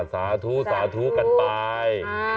สาธุสาธุกันไป